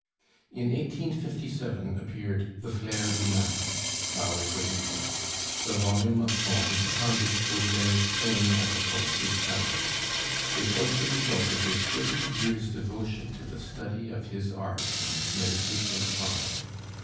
In 1857 appeared the "Fleurs du Mal" (Flowers of Evil), the volume of poems upon which Baudelaire's fame as a poet is founded. It was the result of his thirty years' devotion to the study of his art and meditation upon it.